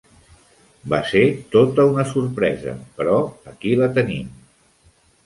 Va ser tota una sorpresa. Però aquí la tenim.